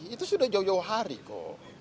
itu sudah jauh jauh hari kok